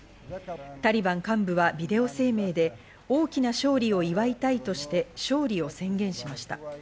タリバン幹部はビデオ声明で大きな勝利を祝いたいとして勝利を宣言しました。